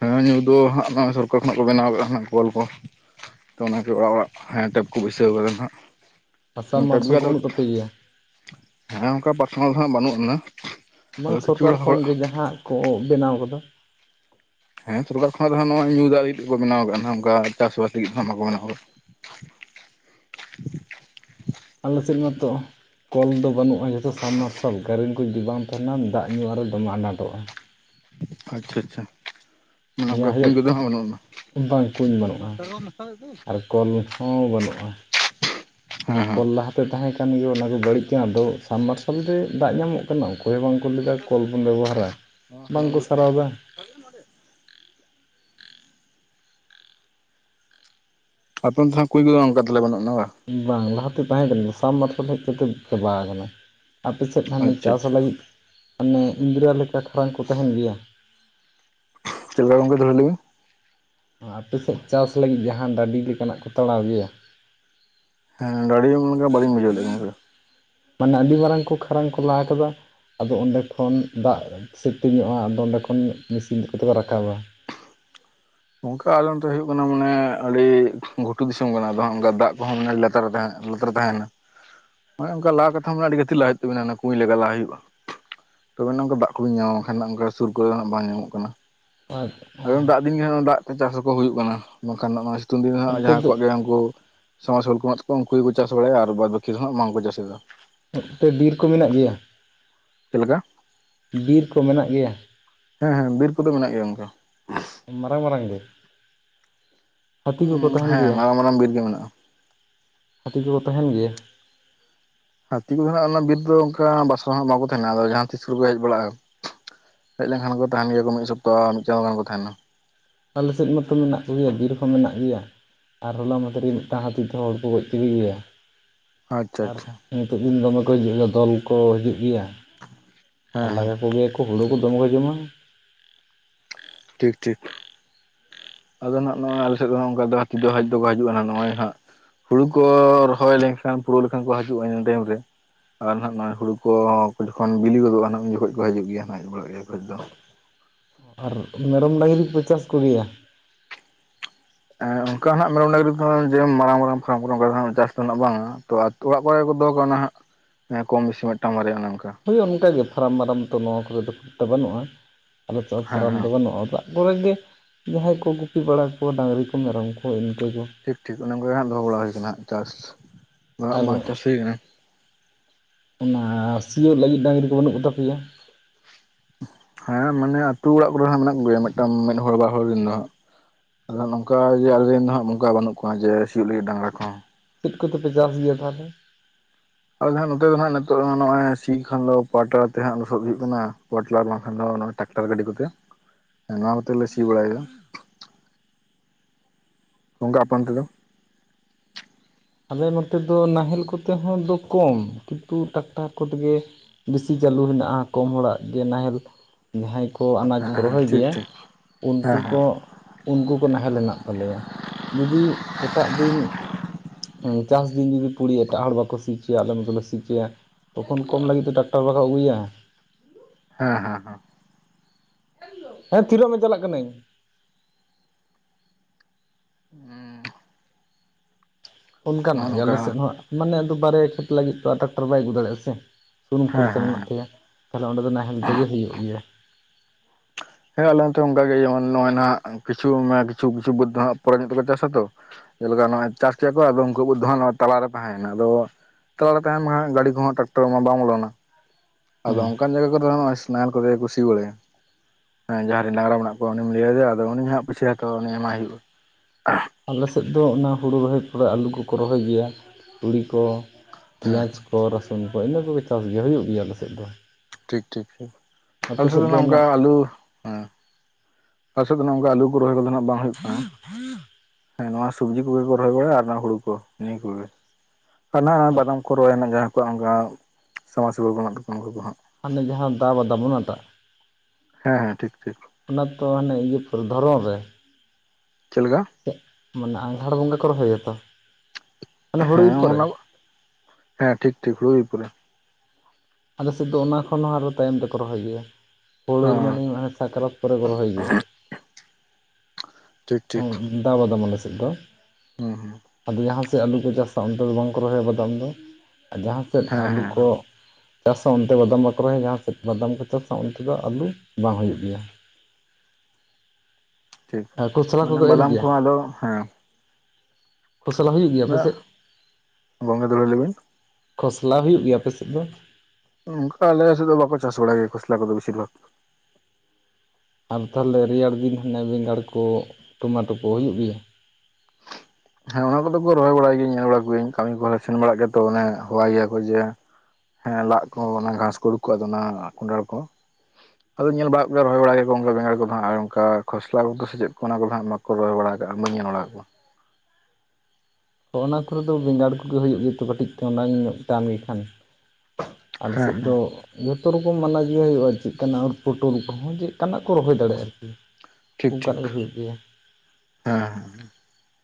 ᱦᱮᱸ ᱧᱩ ᱫᱚ ᱦᱟᱸᱜ ᱱᱟ ᱥᱚᱨᱠᱟᱨ ᱠᱷᱚᱱᱟᱜ ᱠᱚ ᱵᱮᱱᱟᱣ ᱣᱟᱠᱟᱜᱼᱟ ᱦᱩᱱᱟᱹ ᱠᱚᱞ ᱠᱚ ᱾ ᱛᱚ ᱚᱱᱟ ᱜᱮ ᱚᱲᱟᱜ ᱚᱲᱟᱜ ᱦᱮᱸ ᱴᱮᱯ ᱠᱚ ᱵᱟᱹᱭᱥᱟᱹᱣ ᱠᱟᱫᱟ ᱱᱟᱦᱟᱸᱜ᱾ ᱚᱸᱻᱴ ᱟᱥᱟᱢ ᱴᱮᱯ ᱜᱮ ᱢᱟᱨᱥᱟᱞ ᱠᱚ ᱟᱫᱚ ᱵᱟᱹᱱᱩᱜ ᱛᱟᱯᱮ ᱜᱮᱭᱟ ᱦᱮᱸ ᱚᱝᱠᱟ ᱯᱟᱨᱥᱚᱱᱟᱞ ᱫᱚᱦᱟᱸᱜ ᱵᱟᱱᱩᱜ ᱟᱱᱟ᱾ ᱵᱟᱝ ᱟᱫᱚ ᱠᱤᱪᱷᱩ ᱥᱚᱨᱠᱟᱨ ᱦᱚᱲᱟᱜ ᱠᱷᱚᱱ ᱚᱲᱟᱜ ᱜᱮ ᱡᱟᱦᱟᱸ ᱠᱚ ᱵᱮᱱᱟᱣ ᱟᱠᱟᱫᱟ᱾ ᱦᱮᱸ ᱥᱚᱨᱡᱟᱨ ᱠᱷᱚᱱᱟᱜ ᱫᱚᱦᱟᱸᱜ ᱱᱚᱣᱟ ᱧᱩ ᱫᱟᱜ ᱞᱟᱹᱜᱤᱫ ᱜᱮᱠᱚ ᱵᱮᱱᱟᱣ ᱣᱟᱠᱟᱜ-ᱟ ᱱᱟᱦᱟᱜ ᱚᱱᱠᱟ ᱪᱟᱥᱼᱵᱟᱥ ᱞᱟᱹᱜᱤᱫ ᱫᱚᱦᱟᱸᱜ ᱵᱟᱠᱚ ᱵᱮᱱᱟᱣ ᱠᱟ ᱟᱞᱮ ᱥᱮᱡ ᱢᱟᱛᱚᱼᱼ ᱠᱚᱞ ᱫᱚ ᱵᱟᱹᱱᱩᱜ-ᱟ ᱡᱚᱛᱚ ᱥᱟᱵᱽᱢᱟᱨᱥᱟᱞ ᱠᱟᱨᱮᱱᱴ ᱠᱚ ᱡᱩᱫᱤ ᱵᱟᱝ ᱛᱟᱦᱮᱱᱟ ᱫᱟᱜ ᱧᱩ ᱟᱨᱚ ᱫᱚᱢᱮ ᱟᱱᱟᱴᱚᱜ-ᱟ᱾ ᱟᱪᱪᱷᱟ ᱪᱷᱟ ᱢᱟᱱᱮ ᱚᱱᱠᱟ ᱱᱤᱭᱟᱹ ᱦᱩᱭᱩᱜ ᱠᱩᱸᱧ ᱠᱚᱫᱚ ᱦᱟᱸᱜ ᱵᱟᱹᱱᱩᱜ ᱟᱱᱟ᱾ ᱵᱟᱝ ᱠᱩᱧ ᱵᱟᱹᱱᱩᱜ-ᱟ ᱟᱨ ᱠᱚᱞ ᱦᱚᱸ ᱵᱟᱹᱱᱩᱜ-ᱟ᱾ [unintelligible] ᱦᱮᱸ᱾ ᱠᱚᱞ ᱞᱟᱦᱟ ᱛᱮ ᱛᱟᱦᱮᱸ ᱠᱟᱱ ᱜᱮᱭᱟ ᱚᱱᱟ ᱠᱚ ᱵᱟᱹᱲᱤᱡ ᱠᱟᱱᱟ ᱟᱫᱚ ᱥᱟᱵᱽᱢᱟᱨᱥᱟᱞ ᱜᱮ ᱫᱟᱜ ᱧᱟᱢᱚᱜᱼᱼ ᱠᱟᱱ ᱚᱠᱚᱭ ᱦᱚᱸ ᱵᱟᱝ ᱠᱚ ᱞᱟᱹᱭ ᱫᱟ ᱠᱚᱞ ᱵᱚᱱ ᱵᱮᱵᱚᱦᱟᱨᱟ ᱵᱟᱝ ᱠᱚ ᱥᱟᱨᱟᱣ ᱫᱟ᱾ ᱠᱷᱟᱰᱤᱜ ‌ᱢᱟᱰᱮᱜ ᱟᱯᱮ ᱚᱱᱛᱮ ᱫᱚᱦᱟᱸᱜ ᱠᱩᱭ ᱠᱚᱫᱚ ᱚᱱᱠᱟ ᱛᱟᱦᱞᱮ ᱵᱟᱹᱱᱩᱜ-ᱟᱱᱟ ᱵᱟ? ᱩᱸ ᱵᱟᱝ ᱞᱟᱦᱟ ᱛᱮ ᱛᱟᱦᱮᱸ ᱠᱟᱱᱟ ᱥᱟᱵᱽᱢᱟᱨᱥᱟᱞ ᱦᱮᱡ ᱠᱟᱛᱮᱜ ᱪᱟᱵᱟ ᱟᱠᱟᱱᱟ᱾ ᱟᱯᱮ ᱥᱮᱜ ᱦᱟᱱᱮ ᱟᱪᱪᱷᱟ ᱪᱟᱥ ᱟᱪᱪᱷᱟ ᱞᱟᱜᱤᱫ ᱦᱟᱱᱮ ᱤᱱᱫᱽᱨᱟ ᱞᱮᱠᱟ ᱠᱷᱟᱨᱟᱝ ᱠᱚ ᱛᱟᱦᱮᱱ ᱜᱮᱭᱟ? ᱪᱮᱜ ᱞᱮᱠᱟ ᱜᱚᱝᱠᱮ ᱫᱚᱦᱲᱟ‌ ᱞᱟᱹᱭ ᱢᱮ? ᱦᱚᱸ ᱟᱯᱮ ᱥᱮᱜ ᱪᱟᱥ ᱞᱟᱹᱜᱤᱫ ᱡᱟᱦᱟᱸ ᱰᱟᱰᱤ ᱞᱮᱠᱟ ᱱᱟᱜ ᱠᱚ ᱛᱟᱲᱟᱣ ᱜᱮᱭᱟ? ᱦᱮᱸ ᱰᱟᱰᱤ ᱚᱱᱠᱟ ᱵᱟᱞᱤᱧ ᱵᱩᱡᱷᱟᱹᱣ ᱞᱮᱜᱼᱟ ‌ᱜᱚᱝᱠᱮ! ᱢᱟᱱᱮ ᱟᱹᱰᱤ ᱢᱟᱨᱟᱝ ᱠᱚ ᱠᱷᱟᱨᱟᱝ ᱠᱚ ᱞᱟ ᱠᱟᱫᱟ᱾ ᱟᱫᱚ ᱚᱸᱰᱮ ᱠᱷᱚᱱ ᱫᱟᱜ ᱥᱮᱴᱤᱧᱚᱜᱼᱟ ᱟᱫᱚ ᱚᱸᱰᱮ ᱠᱷᱚᱱ ᱢᱮᱥᱤᱱ ᱛᱮ ᱠᱚᱛᱮ ᱠᱚ ᱨᱟᱠᱟᱵᱟ᱾ ᱱᱚᱜᱼᱚᱝᱠᱟ ᱟᱞᱮ ᱱᱚᱛᱮ ᱦᱳᱭᱳᱜ ᱠᱟᱱᱟ ᱢᱟᱱᱮ ᱟᱰᱤ ᱜᱷᱩᱴᱩ ᱫᱤᱥᱚᱢ ᱠᱟᱱᱟ ᱟᱫᱚ ᱦᱟᱸᱜ ᱚᱝᱠᱟ ᱫᱟᱜ ᱠᱚᱦᱚᱸ ᱢᱟᱱᱮ‌ ᱞᱟᱹ ᱛᱟᱨ ᱨᱮ ᱛᱟᱦᱮᱸ ᱞᱟᱛᱟᱨ ᱨᱮ ᱛᱟᱦᱮᱱᱟ᱾ ᱢᱟᱱᱮ ᱚᱝᱠᱟ ᱞᱟ ᱠᱟᱛᱷᱟ ᱢᱟ ᱟᱹᱰᱤ ᱜᱟᱹᱛᱷᱤᱨ ᱞᱟᱜ ᱦᱩᱭᱩᱜ ᱛᱟᱹᱵᱤᱱᱟ ᱚᱱᱟ ᱠᱩᱸᱧ ᱞᱮᱵᱮ ᱞᱟ ᱦᱩᱭᱩᱜᱼᱟ ᱾ ᱛᱚᱵᱮ ᱱᱚᱝᱠᱟ ᱫᱟᱜ ᱠᱚᱵᱤᱱ ᱧᱟᱢᱟ ᱵᱟᱝᱠᱷᱟᱱ ᱚᱝᱠᱟ ᱥᱩᱨ ᱠᱚᱨᱮ ᱱᱟᱜ ᱵᱟᱝ ᱧᱟᱢᱚᱜ ᱠᱟᱱᱟ᱾ [unintelligible] ᱟᱫᱚᱢ ᱫᱟᱜ ᱫᱤᱱ ᱜᱮ ᱦᱟᱸᱜ ᱫᱟᱜ ᱛᱮ ᱪᱟᱥ ᱠᱚ ᱦᱩᱭᱩᱜ ᱠᱟᱱᱟ ᱵᱟᱝᱠᱷᱟᱱ ᱱᱟᱜ ᱢᱟ ᱥᱤᱛᱩᱝ ᱫᱤᱱ ᱫᱚ ᱦᱟᱸᱜ ᱡᱟᱦᱟᱸᱭ ᱠᱚᱣᱟᱜ ᱜᱮ ᱩᱝᱠᱩ ᱥᱟᱵᱽᱢᱟᱨᱥᱟᱞ ᱠᱚ ᱢᱮᱱᱟᱜ ᱛᱟᱠᱚᱣᱟ ᱩᱝᱠᱩ ᱜᱮᱠᱚ ᱪᱟᱥ ᱵᱟᱲᱟᱭᱟ ᱟᱨ ᱵᱟᱫᱽ ᱵᱟᱹᱠᱤ ᱫᱚ ᱦᱟᱸᱜ ᱵᱟᱝ ᱠᱚ ᱪᱟᱥ ᱮᱫᱟ᱾ ᱚᱸᱫ ᱛᱮ ᱵᱤᱨ ᱠᱚ ᱢᱮᱱᱟᱜ ᱜᱮᱭᱟ? ᱪᱮᱜ ᱞᱮᱠᱟ? ᱵᱤᱨ ᱠᱚ ᱢᱮᱱᱟᱜ ᱜᱮᱭᱟ? ᱦᱮᱸ ᱦᱮᱸ ᱵᱤᱨ ᱠᱚᱫᱚ ᱢᱮᱱᱟᱜ ᱜᱮᱭᱟ ᱜᱚᱝᱠᱮ᱾ ᱢᱟᱨᱟᱝ ᱢᱟᱨᱟᱝ ᱜᱮ᱾ ᱦᱟᱹᱛᱤ ᱠᱚᱠᱚ ᱛᱟᱦᱮᱱ ᱦᱮᱸ ᱜᱮᱭᱟ, ᱢᱟᱨᱟᱝ ᱢᱟᱨᱟᱝ ᱵᱤᱨ ᱜᱮ ᱢᱮᱱᱟᱜᱼᱟ ᱦᱟᱹᱛᱤ ᱠᱚᱠᱚ ᱛᱟᱦᱮᱱ ᱜᱮᱭᱟ? ᱦᱟᱛᱤ ᱠᱚᱫᱚ ᱱᱟᱦᱟᱸᱜ ᱚᱱᱟ ᱵᱤᱨ ᱫᱚ ᱚᱝᱠᱟ ᱵᱟᱥᱚ ᱦᱟᱸᱜ ᱵᱟᱠᱚ ᱛᱟᱦᱮᱱᱟ, ᱟᱫᱚ ᱡᱟᱦᱟᱸ ᱛᱤᱥ ᱠᱚᱨᱮ ᱠᱚ ᱦᱮᱡ ᱵᱟᱲᱟᱜᱼᱟ ᱾ ᱦᱮᱡ ᱞᱮᱝᱠᱷᱟᱱ ᱠᱚ ᱛᱟᱦᱮᱱ ᱜᱮᱭᱟ ᱠᱚ ᱢᱤᱫ ᱥᱚᱯᱛᱟᱦ ᱟᱨ ᱢᱤᱫ ᱪᱟᱸᱫᱚ ᱜᱟᱱ ᱠᱚ ᱛᱟᱦᱮᱱᱟ ᱾ ᱟᱞᱮ ᱥᱮᱫ ᱢᱟᱛᱚ ᱢᱮᱱᱟᱜ ᱠᱚ ᱜᱮᱭᱟ ᱵᱤᱨ ᱦᱚᱸ ᱢᱮᱱᱟᱜ ᱜᱮᱭᱟ ᱾ ᱟᱨ ᱦᱚᱞᱟ ᱢᱟᱫᱷᱨᱮ ᱜᱮ ᱢᱤᱫᱴᱟᱝ ᱦᱟᱹᱛᱤ‌ ᱛᱷᱚ ᱦᱚᱲ ᱠᱚ ᱜᱚᱡ ᱠᱤᱫᱤ ᱜᱮᱭᱟ ᱾ ᱟᱪᱪᱷᱟ ᱟᱨ ᱟᱪᱪᱷᱟ ᱱᱤᱛᱚᱜ ᱫᱤᱱ ᱫᱚᱢᱮ ᱠᱚ ᱦᱤᱡᱩᱜ ᱜᱮᱭᱟ ᱫᱚᱞ ᱠᱚ ᱦᱤᱡᱩᱜ ᱜᱮᱭᱟ᱾ ᱟᱨ ᱦᱮᱸ ᱦᱮᱸ ᱞᱟᱜᱟ ᱠᱚ ᱜᱮᱭᱟ ᱠᱚ ᱦᱩᱲᱩ ᱠᱚ ᱫᱚᱢᱮ ᱠᱚ ᱡᱚᱢᱟ᱾ ᱴᱷᱤᱠ ᱴᱷᱤᱠ᱾ ᱟᱫᱚ ᱱᱟᱦᱟᱜ ᱱᱚᱜᱼᱚᱭ ᱟᱞᱮ ᱥᱮᱜ ᱫᱚ ᱱᱚᱜᱼᱱᱚᱝᱠᱟ ᱫᱚ ᱦᱟᱛᱤ ᱫᱚ ᱦᱮᱡ ᱫᱚ ᱠᱚ ᱦᱟᱹᱡᱩᱜᱼᱟ ᱟᱨ ᱱᱚᱜᱼᱚᱭ ᱦᱟᱸᱜ ᱦᱩᱲᱩ ᱠᱚ ᱨᱚᱦᱚᱭ ᱞᱮᱝᱠᱷᱟᱱ ᱯᱩᱨᱟᱹᱣ ᱞᱮᱠᱷᱟᱱ ᱠᱚ ᱦᱟᱡᱩᱜᱼᱟ ᱤᱱᱟᱹ ᱴᱟᱭᱤᱢ ᱨᱮ᱾ ᱟᱨ ᱱᱟᱦᱟᱜ ᱱᱚᱜᱼᱚᱭ ᱦᱩᱲᱩ ᱠᱚ ᱡᱚᱠᱷᱚᱱ ᱵᱤᱞᱤ ᱜᱚᱫᱚᱜᱼᱟ ᱱᱟᱝ ᱩᱱ ᱡᱚᱠᱷᱚᱡ ᱠᱚ ᱦᱤᱡᱩᱜ ᱜᱮᱭᱟ ᱱᱟ ᱦᱮᱡ ᱵᱟᱲᱟᱜ ᱜᱮᱭᱟ ᱠᱚ ᱦᱮᱡ ᱫᱚ᱾ ᱟᱨ ᱢᱮᱨᱚᱢ ᱰᱟᱹᱝᱨᱤ ᱠᱚᱯᱮ ᱪᱟᱥ ᱠᱚ ᱜᱮᱭᱟ? ᱮᱸ ᱚᱝᱠᱟ ᱱᱟᱦᱟᱜ ᱢᱮᱨᱚᱢ ᱰᱟᱹᱝᱨᱤ ᱫᱚ ᱡᱮ ᱢᱟᱨᱟᱝ ᱢᱟᱨᱟᱝ ᱯᱷᱟᱨᱟᱢ ᱠᱚᱨᱮ ᱚᱝᱠᱟ‌ ᱫᱚᱦᱟᱸᱜ ᱪᱟᱥ ᱫᱚ ᱱᱟᱦᱟᱜ ᱵᱟᱝᱟ ᱛᱚ ᱟ ᱛᱳ ᱚᱲᱟᱜ ᱠᱚᱨᱮ ᱜᱮ ᱠᱚ ᱫᱚᱦᱚ ᱠᱟᱜᱼᱟ ᱱᱟᱦᱟᱜ ᱦᱮ ᱠᱚᱢ ᱵᱤᱥᱤ ᱢᱤᱫᱴᱟᱝ ᱵᱟᱨᱭᱟ ᱚᱱᱮ ᱚᱝᱠᱟ᱾ ᱦᱳᱭ ᱚᱱᱠᱟ ᱜᱮ ᱯᱷᱟᱨᱟᱢ ᱢᱟᱨᱟᱢ ᱛᱚ ᱱᱚᱣᱟ ᱠᱚᱨᱮ ᱫᱚ ᱠᱷᱩᱵ ᱴᱟ ᱵᱟᱹᱱᱩᱜᱼᱟ, ᱟᱞᱮ ᱥᱮᱜ ᱦᱚᱸ ᱦᱮᱸ ᱯᱷᱟᱨᱟᱢ ᱫᱚ ᱦᱮᱸ ᱵᱟᱹᱱᱩᱜᱼᱟ ᱠᱟᱜ᱾ ᱠᱚᱨᱮ ᱜᱮ ᱡᱟᱦᱟᱸᱭ ᱠᱚ ᱜᱩᱯᱤ ᱵᱟᱲᱟ ᱠᱚᱣᱟ ᱰᱟᱝᱨᱤ ᱠᱚ ᱢᱮᱨᱚᱢ ᱠᱚ ᱤᱱᱠᱟᱹ ᱜᱮ᱾ ᱴᱷᱤᱠ ᱴᱷᱤᱠ ᱚᱱᱮ ᱚᱱᱠᱟ ᱜᱮ ᱦᱟᱸᱜ ᱫᱚᱦᱚ ᱵᱟᱲᱟ ᱦᱩᱭ ᱠᱟᱱᱟ ᱱᱟᱜ ᱪᱟᱥ ᱟᱫᱚ ᱦᱟᱸᱜ ᱟᱨ ᱵᱟᱝ ᱪᱟᱥ ᱦᱩᱭ ᱠᱟᱱᱟ ᱾ ᱚᱱᱟ ᱥᱤᱭᱳᱜ ᱞᱟᱹᱜᱤᱫ ᱰᱟᱹᱝᱨᱤ ᱠᱚ ᱵᱟᱹᱱᱩᱜ ᱠᱚᱛᱟᱯᱮᱭᱟ? ᱦᱮᱸ ᱢᱟᱱᱮ ᱟᱛᱩ ᱚᱲᱟᱜ ᱠᱚᱨᱮ ᱦᱟᱜ ᱢᱮᱱᱟᱜ ᱠᱚ ᱜᱮᱭᱟ ᱢᱤᱫᱴᱟᱝ ᱢᱤᱫᱦᱚᱲ ᱵᱟᱨ ᱦᱚᱲ ᱨᱮᱱ ᱫᱚ ᱦᱟᱸᱜ᱾ ᱟᱫᱚ ᱱᱚᱝᱠᱟ ᱡᱮ ᱟᱞᱮᱨᱮᱱ ᱫᱚ ᱦᱟᱸᱜ ᱱᱚᱝᱠᱟ ᱵᱟᱹᱱᱩᱜ ᱠᱚᱣᱟ ᱡᱮ ᱥᱤᱭᱳᱜ ᱞᱟᱹᱜᱤᱫ ᱰᱟᱝᱨᱟ ᱠᱚᱦᱚᱸ ᱾ ᱪᱮᱫ ᱠᱚᱛᱮᱯᱮ ᱪᱟᱥ ᱜᱮᱭᱟ ᱛᱟᱦᱚᱞᱮ? ᱟᱫᱚ ᱱᱚᱛᱮ ᱫᱚ ᱦᱟᱸᱜ ᱱᱤᱛᱚᱜ ᱱᱚᱜᱼᱚᱭ ᱥᱤ ᱠᱷᱚᱱ ᱫᱚ ᱯᱟᱣᱟᱨ ᱴᱤᱞᱟᱨ ᱛᱮᱦᱟᱸᱜ ᱞᱚᱥᱚᱫ ᱦᱩᱭᱩᱜ ᱠᱟᱱᱟ ᱯᱟᱣᱟᱨ ᱴᱤᱞᱟᱨ ᱵᱟᱝᱠᱷᱟᱱ ᱫᱚ ᱱᱚᱜᱼᱚᱭ ᱴᱟᱠᱴᱟᱨ ᱜᱟᱹᱰᱤ ᱠᱚᱛᱮ ᱦᱮᱸ ᱱᱚᱣᱟ ᱠᱚᱛᱮ ᱞᱮ ᱥᱤ ᱵᱟᱲᱟᱭ ᱫᱟ ᱾ ᱜᱚᱝᱠᱮ ᱟᱯᱮ ᱚᱱᱛᱮ ᱫᱚ? ᱟᱞᱮ ᱱᱚᱛᱮ ᱫᱚ ᱱᱟᱦᱮᱞ ᱠᱚᱛᱮ ᱦᱚᱸ ᱫᱚ ᱠᱚᱢ, ᱠᱤᱱᱛᱩ ᱴᱟᱠᱴᱟᱨ ᱠᱚᱛᱮᱜᱮ ᱵᱮᱥᱤ ᱪᱟᱹᱞᱩ ᱦᱮᱱᱟᱜᱼᱟ, ᱠᱚᱢ ᱦᱚᱲᱟᱜ ᱜᱮ ᱱᱟᱦᱮᱞ ᱡᱟᱦᱟᱸᱭ ᱠᱚ ᱟᱱᱟᱡᱽ ᱦᱮᱸ ᱠᱚ ᱦᱮᱸ ᱨᱚᱦᱚᱭ ᱴᱷᱤᱠ ᱜᱮᱭᱟ ᱴᱷᱤᱠ ᱩᱱᱠᱩ ᱦᱮᱸ ᱦᱮᱸ ᱠᱚ ᱩᱱᱠᱩ ᱠᱚ ᱱᱟᱦᱮᱞ ᱦᱮᱱᱟᱜ ᱛᱟᱞᱮᱭᱟ, ᱡᱩᱫᱤ ᱮᱴᱟᱜ ᱫᱤᱱ ᱪᱟᱥ ᱫᱤᱱ ᱡᱩᱫᱤ ᱯᱩᱲᱭᱟᱹ ᱮᱴᱟᱜ ᱦᱚᱲ ᱵᱟᱠᱚ ᱥᱤᱪᱚᱭᱟ ᱟᱞᱮ ᱢᱚᱛᱚᱞᱮ ᱥᱤ ᱪᱚᱭᱟ ᱛᱚᱠᱷᱚᱱ ᱠᱚᱢ ᱞᱟᱹᱜᱤᱫ ᱫᱚ ᱴᱟᱠᱴᱟᱨ ᱵᱟᱠᱚ ᱟᱹᱜᱩᱭᱟ ᱦᱮᱸ ᱦᱮᱸ ᱦᱮᱸ ᱦᱮᱸ ᱛᱤᱨᱚᱜ ᱢᱮ ᱪᱟᱞᱟᱜ ᱠᱟᱹᱱᱟᱹᱧ᱾ ᱦᱩᱸ ᱚᱱᱠᱟᱱᱟᱜ ᱜᱮ ᱱᱚᱝᱠᱟ ᱟᱞᱮ ᱥᱮᱫ ᱦᱚᱸ ᱢᱟᱱᱮ ᱵᱟᱨᱭᱟ ᱠᱷᱮᱛ ᱞᱟᱹᱜᱤᱫ ᱫᱚ ᱴᱨᱟᱠᱴᱟᱨ ᱵᱟᱭ ᱟᱹᱜᱩ ᱫᱟᱲᱮᱭᱟᱜᱼᱟ ᱥᱮ ᱥᱩᱱᱩᱢ ᱦᱮᱸ ᱠᱷᱚᱨᱪᱟ ᱦᱮᱸ ᱢᱮᱱᱟᱜ ᱦᱮᱸ ᱛᱟᱭᱟ ᱛᱟᱦᱚᱞᱮ ᱚᱸᱰᱮ ᱫᱚ ᱱᱟᱦᱮᱞ ᱛᱮᱜᱮ ᱦᱩᱭᱩᱜ ᱜᱮᱭᱟ᱾ ᱦᱮᱸ ᱟᱞᱮ ᱚᱱᱛᱮ ᱦᱚᱸ ᱚᱱᱠᱟ ᱜᱮ ᱱᱚᱜ-ᱚᱭ ᱱᱟᱜ ᱠᱤᱪᱷᱩ ᱠᱤᱪᱷᱩ ᱵᱩᱥᱩᱵ ᱵᱟᱹᱫᱽ ᱦᱟᱸᱜ ᱯᱚᱨᱮ ᱧᱚᱜ ᱛᱮᱞᱮ ᱪᱟᱥᱟ ᱛᱚ, ᱡᱮᱞᱮᱠᱟ ᱱᱚᱜ-ᱚᱭ ᱪᱟᱥ ᱠᱮᱭᱟ ᱠᱚ ᱟᱫᱚ ᱩᱱᱠᱩᱣᱟᱜ ᱵᱟᱹᱫᱽ ᱫᱚ ᱦᱟᱸᱜ ᱛᱟᱞᱟ ᱨᱮ ᱛᱟᱦᱮᱸᱭᱮᱱᱟ ᱟᱫᱚ ᱛᱟᱞᱟ ᱨᱮ ᱛᱟᱦᱮᱱ ᱢᱟ ᱜᱟᱹᱰᱤ ᱠᱚᱦᱚᱸ ᱴᱨᱟᱠᱴᱚᱨ ᱢᱟ ᱵᱟᱝ ᱵᱚᱞᱚᱱᱟ ᱟᱫᱚ ᱚᱱᱠᱟᱱ ᱡᱟᱭᱜᱟ ᱠᱚᱨᱮ ᱱᱟᱜ ᱱᱟᱦᱮᱞ ᱠᱚᱜᱮ ᱠᱚ ᱥᱤ ᱵᱟᱲᱟᱭᱟ᱾ ᱮᱸ ᱡᱟᱦᱟᱸᱭ ᱨᱮᱱ ᱰᱟᱝᱨᱟ ᱢᱮᱱᱟᱜ ᱠᱚᱣᱟ ᱩᱱᱤᱢ ᱞᱟᱹᱭ ᱟᱫᱮᱭᱟ ᱟᱫᱚ ᱩᱱᱤ ᱦᱟᱸᱜ ᱯᱩᱭᱥᱟᱭ ᱦᱟᱛᱟᱣᱟ ᱩᱱᱤ ᱮᱢᱟᱭ ᱦᱩᱭᱩᱜ-ᱟ᱾ ᱟᱞᱮ ᱥᱮᱫ ᱫᱚ ᱚᱱᱟ ᱦᱩᱲᱩ ᱨᱚᱦᱚᱭ ᱯᱚᱨᱨ ᱟᱹᱞᱩ ᱠᱚᱠᱚ ᱨᱚᱦᱚᱭ ᱜᱮᱭᱟ ᱛᱩᱲᱤ ᱠᱚ ᱦᱮᱸ ᱯᱮᱸᱭᱟᱡᱽ ᱠᱚ ᱨᱟᱹᱥᱩᱱ ᱠᱚ ᱤᱱᱟᱹ ᱠᱚᱜᱮ ᱪᱟᱥ ᱜᱮᱭᱟ ᱦᱩᱭᱩᱜ ᱜᱮᱭᱟ ᱟᱞᱮᱥᱮᱫ ᱫᱚ᱾ ᱴᱷᱤᱠ ᱴᱷᱤᱠ ᱟᱯᱮ ᱟᱞᱮ ᱥᱮᱱ ᱫᱚ ᱥᱮᱫ ᱚᱱᱟ ᱚᱝᱠᱟ ᱟᱞᱩ ᱟᱞᱮ ᱥᱮᱫ ᱫᱚ ᱱᱚᱝᱠᱟ ᱟᱹᱞᱩ ᱠᱚ ᱨᱚᱦᱚᱭ ᱠᱚᱫᱚ ᱱᱟᱜ ᱵᱟᱝ ᱦᱩᱭᱩᱜ ᱠᱷᱟᱱᱟ ᱦᱮᱸ ᱱᱚᱶᱟ ᱥᱚᱵᱡᱤ ᱠᱚᱜᱮ ᱠᱚ ᱨᱚᱦᱚᱭ ᱵᱟᱲᱟᱭᱟ ᱟᱨ ᱚᱱᱟ ᱦᱩᱲᱩ ᱠᱚ ᱱᱤᱭᱟᱹ ᱠᱚᱜᱮ, ᱟᱨ ᱱᱟᱜ ᱚᱱᱟ ᱵᱟᱫᱟᱢ ᱠᱚ ᱨᱚᱦᱚᱭᱟ ᱱᱟᱜ ᱡᱟᱦᱟᱸᱭ ᱠᱚᱣᱟᱜ ᱚᱱᱠᱟ ᱥᱟᱢᱟᱨᱥᱵᱟ ᱠᱚ ᱢᱮᱱᱟᱜ ᱛᱟᱠᱚᱣᱟ ᱩᱱᱠᱩ ᱠᱚ ᱦᱟᱸᱜ ᱦᱟᱱᱮ ᱡᱟᱦᱟᱸ ᱫᱟᱽ ᱵᱟᱫᱟᱢ ᱚᱱᱟᱴᱟᱜ? ᱦᱮᱸ ᱦᱮᱸ ᱴᱷᱤᱠ ᱴᱷᱤᱠ ᱚᱱᱟ ᱛᱚ ᱦᱟᱱᱮ ᱤᱭᱟᱹ ᱫᱷᱚᱨᱚᱱ ᱨᱮ ᱪᱮᱜ ᱞᱮᱠᱟ? ᱪᱮᱫ ᱢᱟᱱᱮ ᱟᱸᱜᱷᱟᱲ ᱵᱚᱸᱜᱟ ᱠᱚ ᱨᱚᱦᱚᱭᱟ ᱛᱚ? ᱢᱟᱱᱮ ᱦᱩᱲᱩ ᱤᱨ ᱦᱮᱸ ᱯᱚᱨᱮ ᱚᱱᱟ ᱦᱮᱸ ᱴᱷᱤᱠ ᱴᱷᱤᱠ ᱦᱩᱲᱩ ᱤᱨ ᱯᱚᱨᱮ ᱟᱞᱮ ᱥᱮᱫ ᱫᱚ ᱚᱱᱟ ᱠᱷᱚᱱ ᱦᱚᱸ ᱟᱨᱚ ᱛᱟᱭᱚᱢ ᱛᱮᱠᱚ ᱨᱚᱦᱚᱭ ᱜᱮᱭᱟ ᱦᱩᱲᱩ ᱤᱨ ᱦᱮᱸ᱾ ᱢᱟᱱᱮ ᱥᱟᱠᱨᱟᱛ ᱯᱚᱨᱮ ᱠᱚ ᱨᱚᱦᱚᱭ ᱜᱮᱭᱟ᱾ ᱴᱷᱤᱠ ᱴᱷᱤᱠ᱾ ᱫᱟ ᱟᱫᱟᱢ ᱟᱞᱮ ᱥᱮᱫ ᱫᱚ ᱦᱩᱸ ᱦᱩᱸ ᱟᱫᱚ ᱡᱟᱦᱟᱸ ᱥᱮᱫ ᱟᱞᱩ ᱠᱚ ᱪᱟᱥ ᱚᱱᱛᱮ ᱫᱚ ᱵᱟᱝᱠᱚ ᱨᱚᱦᱚᱭᱟ ᱵᱟᱫᱟᱢ ᱫᱚ ᱟᱨ ᱡᱟᱦᱟᱸ ᱥᱮᱫ ᱦᱮᱸ ᱟᱹᱞᱩ ᱦᱮᱸ ᱠᱚ ᱪᱟᱥᱟ ᱚᱱᱛᱮ ᱵᱟᱫᱟᱢ ᱵᱟᱠᱚ ᱨᱚᱦᱭᱟ ᱡᱟᱦᱟᱸ ᱥᱮᱫ ᱵᱟᱫᱟᱢ ᱠᱚ ᱪᱟᱥᱟ ᱚᱱᱛᱮ ᱫᱚ ᱟᱞᱩ ᱵᱟᱝ ᱦᱩᱭᱩᱜ ᱜᱮᱭᱟ ᱴᱷᱤᱠ ᱟᱨ ᱠᱷᱚᱥᱞᱟ ᱢᱟᱱᱮ ᱠᱚᱠᱚ ᱮᱨ ᱵᱟᱫᱟᱢ ᱠᱚ ᱜᱮᱭᱟ ᱟᱫᱚ ᱦᱮᱸ ᱠᱷᱚᱥᱞᱟ ᱦᱩᱭᱩᱜ ᱜᱮᱭᱟ ᱟᱯᱮᱥᱮᱫ? ᱜᱚᱝᱠᱮ ᱫᱩᱞᱟᱹᱲ ᱞᱟᱹᱭ ᱵᱤᱱ ᱠᱷᱚᱥᱞᱟ ᱦᱩᱭᱩᱜ ᱜᱮᱭᱟ ᱟᱯᱮ ᱥᱮᱫ ᱫᱚ? ᱚᱱᱠᱟ ᱟᱞᱮ ᱥᱮᱫ ᱫᱚ ᱵᱟᱠᱚ ᱪᱟᱥ ᱵᱟᱲᱟᱭ ᱜᱮᱭᱟ ᱠᱷᱚᱥᱞᱟ ᱠᱚᱫᱚ ᱵᱤᱥᱤᱨ ᱵᱷᱟᱜᱽ ᱟᱨ ᱛᱟᱦᱚᱞᱮ ᱨᱮᱭᱟᱲ ᱫᱤᱱ ᱦᱟᱱᱮ ᱵᱮᱸᱜᱟᱲ ᱠᱚ ᱴᱚᱢᱟᱴᱳ ᱠᱚ ᱦᱩᱭᱩᱜ ᱜᱮᱭᱟ? ᱦᱮᱸ ᱚᱱᱟ ᱠᱚᱫᱚ ᱠᱚ ᱨᱚᱦᱚᱭ ᱵᱟᱲᱟᱭ ᱜᱮᱭᱟᱹᱧ ᱧᱮᱞ ᱵᱟᱲᱟ ᱠᱚᱭᱟᱹᱧ ᱠᱟᱹᱢᱤ ᱠᱚᱦᱞᱮ ᱥᱮᱱ ᱵᱟᱲᱟᱜ ᱜᱮᱭᱟ ᱛᱚ ᱦᱚᱦᱚᱭ ᱜᱮᱭᱟ ᱠᱚ ᱡᱮ ᱦᱮᱸ ᱞᱟᱜ ᱠᱚ ᱚᱱᱟ ᱜᱷᱟᱸᱥ ᱠᱚ ᱩᱰᱩᱠ ᱠᱚᱜᱼᱟ ᱚᱱᱟ ᱠᱚᱸᱰᱟᱲ ᱠᱚ ᱟᱫᱚ ᱧᱮᱞ ᱵᱟᱲᱟ ᱠᱚ ᱜᱮᱭᱟ ᱨᱚᱦᱚᱭ ᱵᱟᱲᱟ ᱜᱮᱠᱚ ᱚᱱᱠᱟ ᱵᱮᱸᱜᱟᱲ ᱠᱚᱫᱚ ᱦᱟᱸᱜ ᱟᱨ ᱚᱱᱠᱟ ᱠᱷᱚᱥᱞᱟ ᱠᱚᱫᱚ ᱥᱮ ᱪᱮᱫ ᱠᱚ ᱚᱱᱟ ᱠᱚᱫᱚ ᱦᱟᱸᱜ ᱵᱟ ᱠᱚ ᱨᱚᱦᱚᱭ ᱵᱟᱲᱟ ᱠᱟᱜᱼᱟ ᱵᱟᱹᱧ ᱧᱮᱞ ᱵᱟᱲᱟᱣ ᱠᱚᱣᱟ ᱛᱚ ᱚᱱᱟ ᱠᱚᱨᱮ ᱫᱚ ᱵᱮᱸᱜᱟᱲ ᱠᱚᱜᱮ ᱦᱩᱭᱩᱜ ᱜᱮᱭᱟᱛᱚ ᱠᱟᱹᱴᱤᱡ ᱴᱚᱰᱟᱝ ᱧᱚᱜ ᱛᱟᱱ ᱜᱮ ᱠᱷᱟᱱ ᱟᱞᱮ ᱦᱮᱸ ᱥᱮᱫ ᱫᱚ ᱦᱮᱸ ᱡᱷᱚᱛᱚ ᱨᱚᱠᱚᱢ ᱢᱟᱱᱟᱡᱽ ᱜᱮ ᱦᱩᱭᱩᱜᱼᱟ ᱪᱮᱫ ᱞᱮᱠᱟᱱᱟᱜ ᱯᱚᱴᱚᱞ ᱠᱚᱦᱚᱸ ᱪᱮᱫᱠᱟᱱᱟᱜ ᱠᱚ ᱨᱚᱦᱚᱭ ᱫᱟᱲᱮᱭᱟᱜᱼᱟ ᱟᱨᱠᱤ᱾ ᱴᱷᱤᱠ ᱴᱷᱤᱠ ᱚᱱᱠᱟᱱᱟᱜ ᱜᱮ ᱦᱩᱭᱩᱜ ᱜᱮᱭᱟ᱾ ᱦᱮᱸ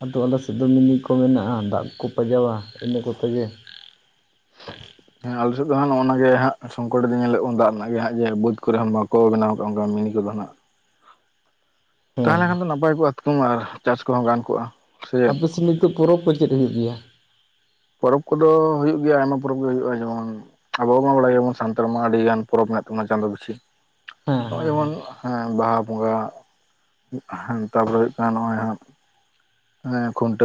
ᱟᱫᱳ ᱟᱞᱟ ᱥᱮᱫ ᱫᱚ ᱢᱤᱱᱤ ᱠᱚ ᱢᱮᱱᱟᱜᱼᱟ ᱫᱟᱜ ᱠᱚᱠᱚ ᱯᱟᱡᱟᱣᱟ ᱤᱱᱟᱹ ᱠᱚᱛᱮ ᱜᱮ, ᱦᱮᱸ ᱟᱞᱮ ᱥᱮᱫ ᱫᱚ ᱦᱟᱸᱜ ᱱᱚᱜᱼᱚ ᱱᱚᱱᱟᱜᱮ ᱦᱟᱸᱜ ᱥᱚᱝᱠᱚᱴ ᱫᱚ ᱧᱮᱞᱮᱜ ᱠᱚ ᱫᱟᱜ ᱨᱮᱱᱟᱜ ᱜᱮ ᱡᱮ ᱵᱟᱹᱫᱽ ᱠᱚᱨᱮ ᱦᱚᱸ ᱵᱟᱠᱚ ᱵᱮᱱᱟᱣ ᱠᱟᱜᱼᱟ ᱚᱱᱠᱟ ᱢᱤᱱᱤ ᱠᱚᱫᱚ ᱦᱟᱸᱜ᱾ ᱦᱮᱸ ᱛᱟᱦᱮᱞᱮᱱ ᱠᱷᱟᱱ ᱫᱚ ᱱᱟᱯᱟᱭ ᱠᱚᱜᱼᱟ ᱛᱩᱼᱟ ᱟᱨ ᱪᱟᱥ ᱠᱚᱦᱚᱸ ᱜᱟᱱ ᱠᱚᱜᱼᱟ᱾ ᱥᱮ ᱪᱮᱫ ᱟᱯᱮᱥᱮᱫ ᱱᱤᱛᱚᱜ ᱯᱚᱨᱚᱵᱽ ᱠᱚ ᱪᱮᱫ ᱦᱩᱭᱩᱜ ᱜᱮᱭᱟ? ᱯᱚᱨᱚᱵᱽ ᱠᱚᱫᱚ ᱦᱳᱭᱳᱜ ᱜᱮᱭᱟ ᱟᱭᱢᱟ ᱯᱚᱨᱚᱵᱽ ᱜᱮ ᱦᱳᱭᱳᱜᱼᱟ ᱡᱮᱢᱚᱱ ᱟᱵᱚ ᱢᱟ ᱵᱟᱲᱟᱭ ᱜᱮᱭᱟᱵᱚᱱ ᱥᱟᱱᱛᱟᱲ ᱢᱟ ᱟᱹᱰᱤ ᱜᱟᱱ ᱯᱚᱨᱚᱵᱽ ᱢᱮᱱᱟᱜ ᱛᱟᱵᱚᱱᱟ ᱪᱟᱸᱫᱤ ᱯᱤᱪᱷᱤ᱾ ᱦᱮᱸ ᱱᱚᱜᱚᱭ ᱦᱮᱸ ᱦᱮᱸ ᱡᱮᱢᱚᱱ ᱦᱮᱸ ᱵᱟᱦᱟ ᱵᱚᱸᱜᱟ ᱛᱟᱨᱯᱚᱨᱮ ᱦᱩᱭᱩᱜ ᱠᱟᱱᱟ ᱱᱚᱜᱼᱚᱭ ᱦᱟᱸᱜ ᱦᱮᱸ ᱠᱷᱩᱱᱴᱟᱹ